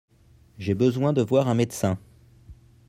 J'ai besoin de voir un médecin.